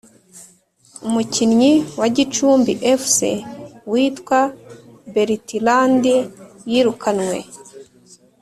Umukinnyi wa gicumbi fc witwa bertland yirukanwe